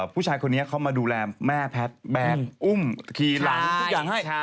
ผู้ชายคนนี้เขามาดูแลแม่แพทย์แบกอุ้มขี่หลังทุกอย่างให้